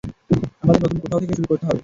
আমাদের নতুন কোথাও থেকে শুরু করতে হবে।